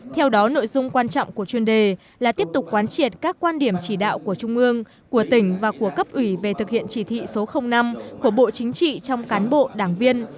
theo đó nội dung quan trọng của chuyên đề là tiếp tục quán triệt các quan điểm chỉ đạo của trung ương của tỉnh và của cấp ủy về thực hiện chỉ thị số năm của bộ chính trị trong cán bộ đảng viên